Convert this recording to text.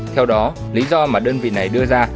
theo đó lý do mà đơn vị này đưa ra